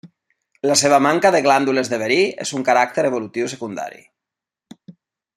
La seva manca de glàndules de verí és un caràcter evolutiu secundari.